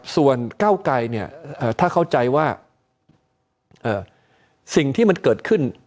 ส่วนก้าวไกรเนี่ยถ้าเข้าใจว่าสิ่งที่มันเกิดขึ้น